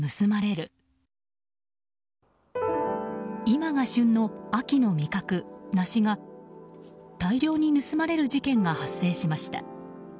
今が旬の秋の味覚、梨が大量に盗まれる事件が発生しました。